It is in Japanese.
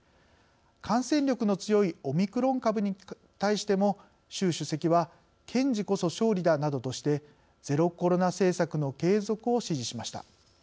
感染力の強いオミクロン株に対しても習主席は「堅持こそ勝利だ」などとしてゼロコロナ政策の継続を指示しました。